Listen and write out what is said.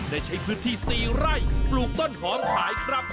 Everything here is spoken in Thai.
ได้ใช้พื้นที่๔ไร่ปลูกต้นหอมขายครับ